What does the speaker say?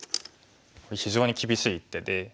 非常に厳しい一手で。